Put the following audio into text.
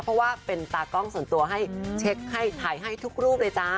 เพราะว่าเป็นตากล้องส่วนตัวให้เช็คให้ถ่ายให้ทุกรูปเลยจ้า